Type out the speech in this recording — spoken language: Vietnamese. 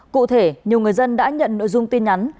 cụ thể nhiều người dân đã nhận nội dung tin nhắn